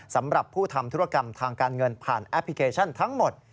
สำหรับผู้ทำธุรกรรมทางการเงินผ่านแอปพลิเคชันทั้งหมด